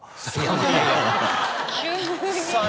急に。